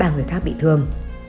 ba người khác bị thương